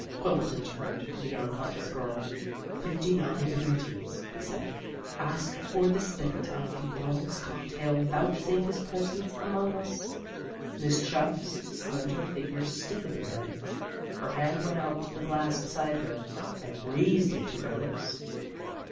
Quimbleton turned to the unconscious girl. "Fifty nine devotees," he said, "ask that the spirit of the Bronx cocktail vouchsafe his presence among us." Miss Chuff's slender figure stiffened again. Her hand went out to the glass beside her, and raised it to her lips.